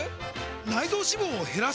内臓脂肪を減らす！？